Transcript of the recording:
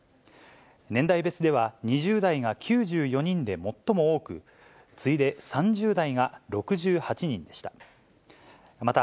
年代別では２０代が９４人で最も多く、次いで３０代が６８人でした。